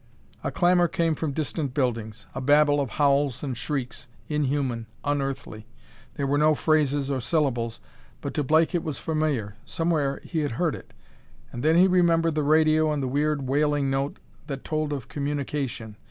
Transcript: A clamor came from distant buildings, a babel of howls and shrieks, inhuman, unearthly. There were no phrases or syllables, but to Blake it was familiar ... somewhere he had heard it ... and then he remembered the radio and the weird wailing note that told of communication.